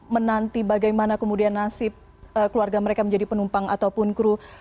menanti bagaimana kemudian nasib keluarga mereka menjadi penumpang ataupun kru